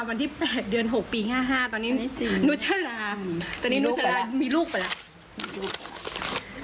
วันที่๘เดือน๖ปี๕๕ตอนนี้หนูชะลาตอนนี้นุชารามีลูกไปแล้ว